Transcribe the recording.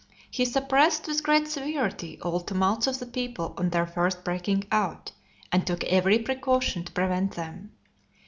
He suppressed with great severity all tumults of the people on their first breaking out; and took every precaution to prevent them.